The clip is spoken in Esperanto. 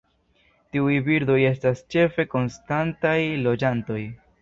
Tiuj birdoj estas ĉefe konstantaj loĝantoj.